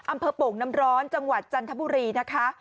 โป่งน้ำร้อนจังหวัดจันทบุรีนะคะ